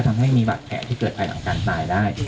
ทำให้มีบาดแผลที่เกิดภายหลังการตายได้